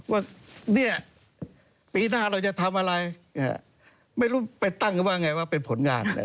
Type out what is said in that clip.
ว่าเนี่ยปีหน้าเราจะทำอะไรไม่รู้ไปตั้งกันว่าไงว่าเป็นผลงาน